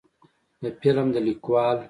د فلم د لیکوال